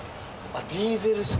あっディーゼル車。